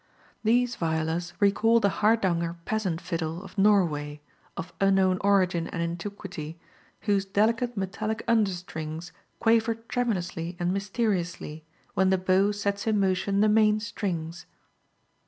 These violas recall the Hardanger peasant fiddle of Norway, of unknown origin and antiquity, whose delicate metallic under strings quaver tremulously and mysteriously when the bow sets in motion the main strings.